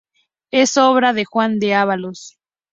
Es obra de Juan de Ávalos.